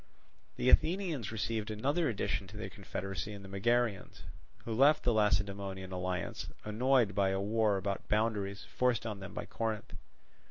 The Athenians received another addition to their confederacy in the Megarians; who left the Lacedaemonian alliance, annoyed by a war about boundaries forced on them by Corinth.